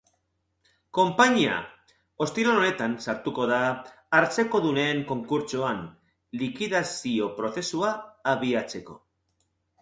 Konpainia ostiral honetan sartuko da hartzekodunen konkurtsoan, likidazio prozesua abiatzeko.